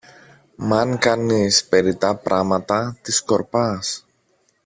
Μ' αν κάνεις περιττά πράματα, τη σκορπάς.